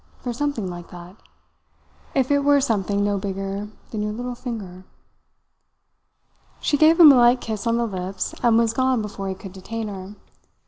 For something like that. If it were something no bigger than your little finger." She gave him a light kiss on the lips and was gone before he could detain her.